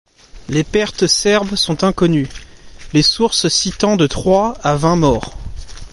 Les pertes serbes sont inconnues, les sources citant de trois à vingt morts.